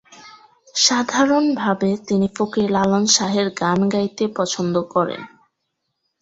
সাধারণভাবে তিনি ফকির লালন শাহের গান গাইতে পছন্দ করেন।